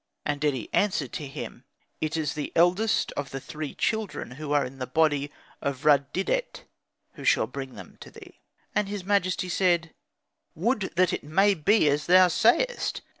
And Dedi answered to him, "It is the eldest of the three children who are in the body of Rud didet who shall bring them to thee." And his majesty said, "Would that it may be as thou sayest!